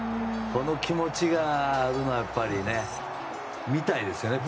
この気持ちがあるのはやっぱりね、見たいですよね